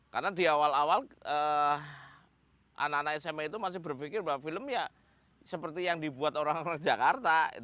karena di awal awal anak anak sma itu masih berpikir bahwa film ya seperti yang dibuat orang orang jakarta